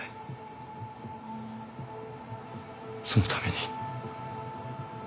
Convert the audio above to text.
そのために。